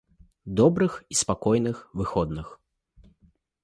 Добрых і спакойных выходных!